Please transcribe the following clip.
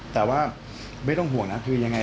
แต่ว่าไม่ต้องห่วงนะคือยังไง